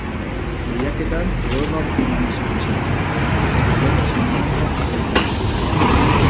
Lehiaketan edonork eman dezake izena, eta taldeka zein banaka har daiteke parte.